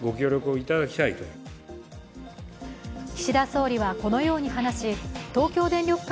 岸田総理はこのように話し東京電力